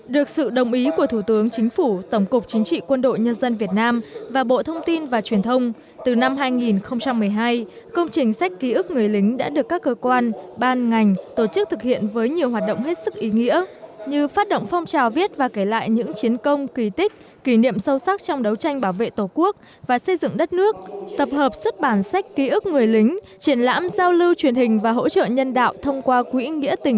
được sự đồng ý của thủ tướng chính phủ tổng cục chính trị quân đội nhân dân việt nam và bộ thông tin và truyền thông từ năm hai nghìn một mươi hai công trình sách ký ức người lính đã được các cơ quan ban ngành tổ chức thực hiện với nhiều hoạt động hết sức ý nghĩa như phát động phong trào viết và kể lại những chiến công kỳ tích kỷ niệm sâu sắc trong đấu tranh bảo vệ tổ quốc và xây dựng đất nước tập hợp xuất bản sách ký ức người lính triển lãm giao lưu truyền hình và hỗ trợ nhân đạo thông qua quỹ nghĩa tình trạng